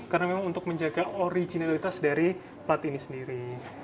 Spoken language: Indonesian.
karena memang untuk menjaga originalitas dari plat ini sendiri